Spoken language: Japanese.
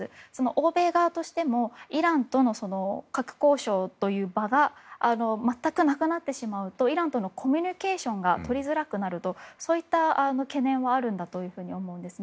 欧米側としてもイランとの核交渉という場が全くなくなってしまうとイランとのコミュニケーションが取りづらくなるという懸念もあると思うんです。